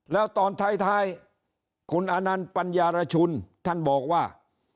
แล้วตอนท้ายคุณอนันต์ปัญญารชุนท่านบอกว่า